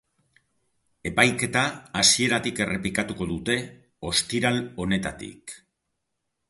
Epaiketa hasieratik errepikatuko dute, ostiral honetatik.